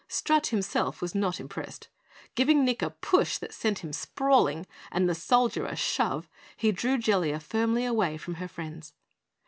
Strut himself was not impressed. Giving Nick a push that sent him sprawling, and the Soldier a shove, he drew Jellia firmly away from her friends.